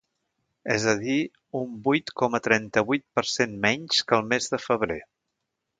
És a dir, un vuit coma trenta-vuit per cent menys que el mes de febrer.